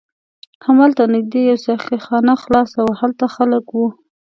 هملته نږدې یوه ساقي خانه خلاصه وه، هلته خلک و.